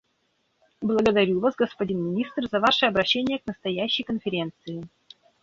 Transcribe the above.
Благодарю Вас, господин министр, за ваше обращение к настоящей Конференции.